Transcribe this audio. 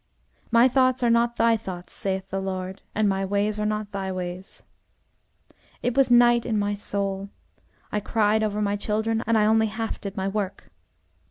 'My thoughts are not thy thoughts, saith the Lord, and My ways are not thy ways.' It was night in my soul. I cried over my children, and I only half did my work.